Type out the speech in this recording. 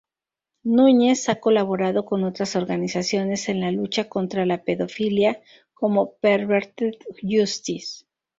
Núñez ha colaborado con otras organizaciones en la lucha contra la pedofilia como "Perverted-Justice".